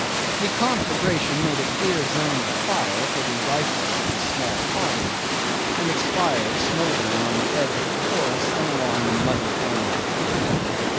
The conflagration made a clear zone of fire for the rifles of the small party, and expired smouldering on the edge of the forests and along the muddy bank of the creek.